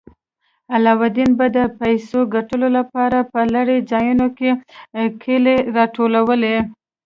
علاوالدین به د پیسو ګټلو لپاره په لیرې ځایونو کې کیلې راټولولې.